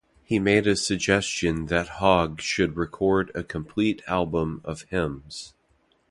He made the suggestion that Hogg should record a complete album of hymns.